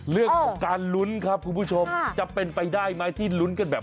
เรื่องของการลุ้นครับคุณผู้ชมจะเป็นไปได้ไหมที่ลุ้นกันแบบ